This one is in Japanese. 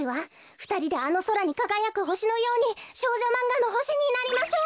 ふたりであのそらにかがやくほしのように少女マンガのほしになりましょう。